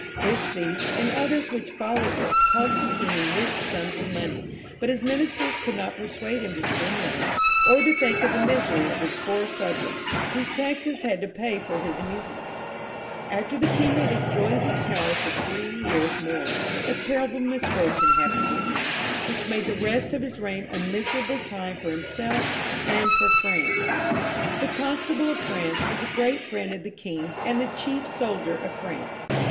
This feast, and others which followed it, cost the king immense sums of money ; but his ministers could not per suade him to spend less, or to think of the misery of his poorer subjects, whose taxes had to pay for his amuse XXVIII.] CHARLES VL 189 ment. After the king had enjoyed his power for three years more, a terrible misfortune happened to him, which made the rest of his reign a miserable time for himself and for Prance. The constable of France was a great friend of the king^s and the chief soldier of France.